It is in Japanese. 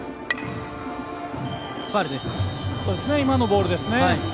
今のボールですね。